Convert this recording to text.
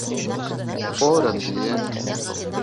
О, Рәмзиә!